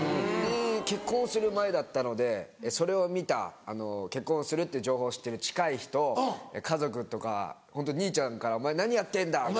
結婚する前だったのでそれを見た結婚するっていう情報を知ってる近い人家族とかホント兄ちゃんから「お前何やってんだ！」